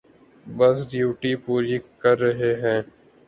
بس ڈیوٹی پوری کر رہے ہیں۔